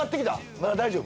まだ大丈夫？